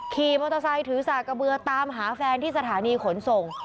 ขี่มอเตอร์ไซค์ถือสากกระเบือตามหาแฟนที่สถานีขนส่ง